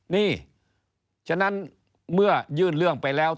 นี่ฉะนั้นเมื่อยื่นเรื่องไปแล้ว